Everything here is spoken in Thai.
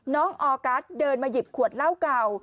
ออกัสเดินมาหยิบขวดเหล้าเก่า